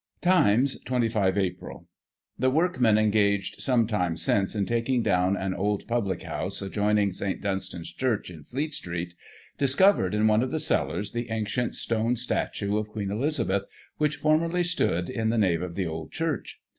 Times y 25 Ap. —" The workmen engaged some time since in takir^ down an old public house adjoining St Dunstan's Church, in Fleet St., discovered in one of the cellars the ancient stone statue of Queen Elizabeth, which formerly stood in the nave of the old church.